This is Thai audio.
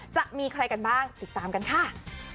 จะมีใครกันบ้างติดตามกันค่ะ